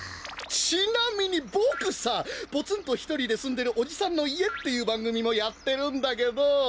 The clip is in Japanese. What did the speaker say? ちなみにボクさ「ポツンとひとりで住んでるおじさんの家」っていうばんぐみもやってるんだけど。